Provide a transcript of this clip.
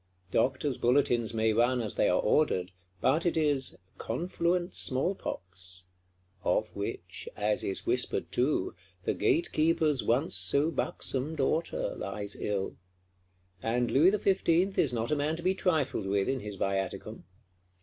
Doctors' bulletins may run as they are ordered, but it is "confluent small pox,"—of which, as is whispered too, the Gatekeeper's once so buxom Daughter lies ill: and Louis XV. is not a man to be trifled with in his viaticum.